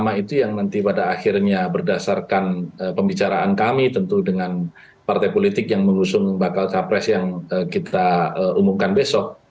nama itu yang nanti pada akhirnya berdasarkan pembicaraan kami tentu dengan partai politik yang mengusung bakal capres yang kita umumkan besok